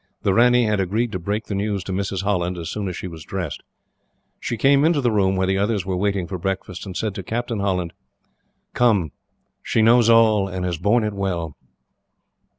The ranee had agreed to break the news to Mrs. Holland, as soon as she was dressed. She came into the room where the others were waiting for breakfast, and said to Captain Holland: "Come. She knows all, and has borne it well."